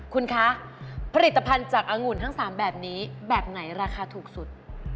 คุณคะผลิตภัณฑ์จากอังุ่นทั้ง๓แบบนี้แบบไหนราคาถูกสุด